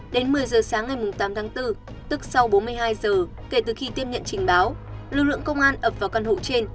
đến một mươi giờ sáng ngày tám tháng bốn tức sau bốn mươi hai giờ kể từ khi tiếp nhận trình báo lực lượng công an ập vào căn hộ trên